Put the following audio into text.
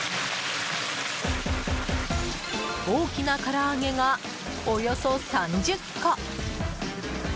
大きな唐揚げが、およそ３０個。